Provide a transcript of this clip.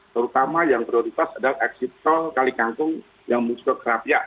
terutama yang prioritas adalah exit tol kali kangkung yang menuju ke kerapia